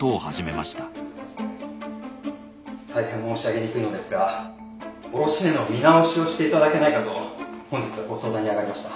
大変申し上げにくいのですが卸値の見直しをしていただけないかと本日はご相談にあがりました。